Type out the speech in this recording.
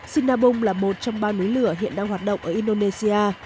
sinabung là một trong ba núi lửa hiện đang hoạt động ở indonesia